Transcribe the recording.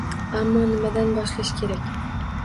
Ammo nimadan boshlash kerak?